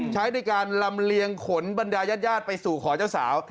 ใช้ในการลำเลียงขนบรรดายาดไปสู่ขอเจ้าสาว